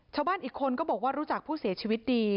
ชาวบ้านอีกคนก็บอกว่ารู้จักผู้เสียชีวิตดี